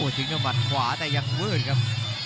ทิ้งด้วยหมัดขวาแต่ยังวืดครับ